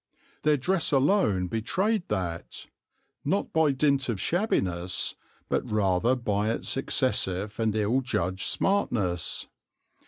Their dress alone betrayed that, not by dint of shabbiness, but rather by its excessive and ill judged smartness.